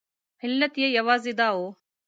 علت یې یوازې دا و.